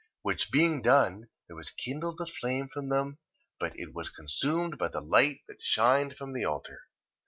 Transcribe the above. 1:32. Which being done, there was kindled a flame from them: but it was consumed by the light that shined from the altar.